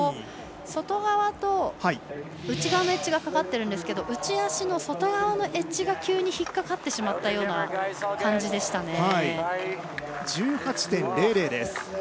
外側と内側のエッジがかかってるんですけど内足の外側のエッジが急に引っ掛かってしまったような感じでした。